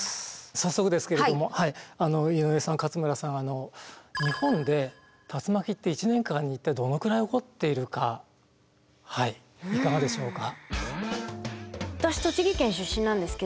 早速ですけれども井上さん勝村さんは日本で竜巻って一年間に一体どのくらい起こっているかはいいかがでしょうか。